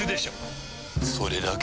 それだけ？